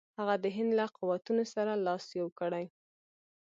هغه د هند له قوتونو سره لاس یو کړي.